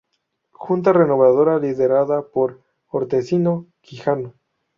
Junta Renovadora, liderada por Hortensio Quijano.